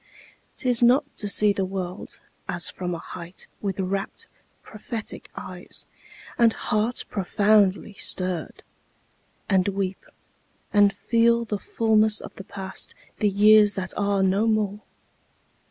'Tis not to see the world As from a height, with rapt prophetic eyes, And heart profoundly stirr'd; And weep, and feel the fulness of the past, The years that are no more.